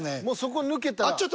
もうそこ抜けたら。